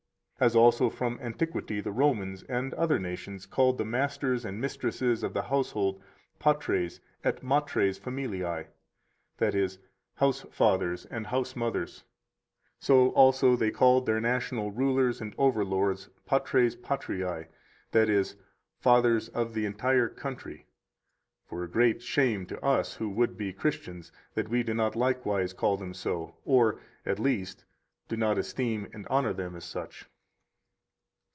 As also from antiquity the Romans and other nations called the masters and mistresses of the household patres et matres familiae, that is, housefathers and housemothers. So also they called their national rulers and overlords patres patriae, that is, fathers of the entire country, for a great shame to us who would be Christians that we do not likewise call them so, or, at least, do not esteem and honor them as such.